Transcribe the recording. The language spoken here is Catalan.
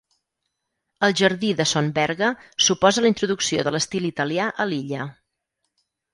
El jardí de Son Berga suposa la introducció de l'estil italià a l'illa.